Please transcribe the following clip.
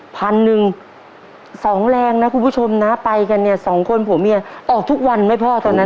พันหนึ่งสองแรงนะคุณผู้ชมนะไปกันเนี่ยสองคนผัวเมียออกทุกวันไหมพ่อตอนนั้น